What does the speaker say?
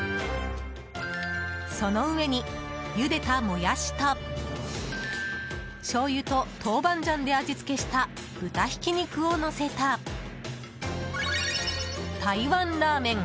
その上に、ゆでたモヤシとしょうゆと豆板醤で味付けした豚ひき肉をのせた台湾ラーメン。